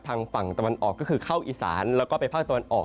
ฝั่งตะวันออกก็คือเข้าอีสานแล้วก็ไปภาคตะวันออก